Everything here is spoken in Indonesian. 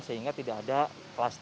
sehingga tidak ada klastik